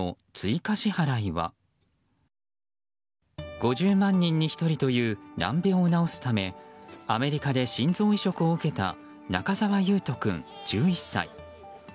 ５０万人に１人という難病を治すためアメリカで心臓移植を受けた中沢維斗君、１１歳。